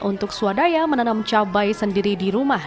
untuk swadaya menanam cabai sendiri di rumah